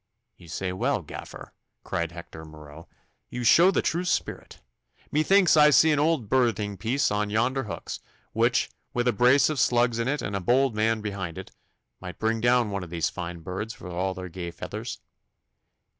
'You say well, gaffer!' cried Hector Marot; 'you show the true spirit. Methinks I see an old birding piece on yonder hooks, which, with a brace of slugs in it and a bold man behind it, might bring down one of these fine birds for all their gay feathers.